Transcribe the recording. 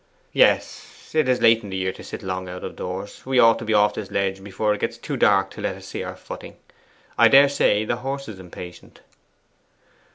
'Yes; it is late in the year to sit long out of doors: we ought to be off this ledge before it gets too dark to let us see our footing. I daresay the horse is impatient.